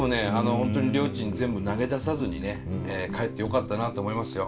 本当にりょーちん全部投げ出さずにね帰ってよかったなと思いますよ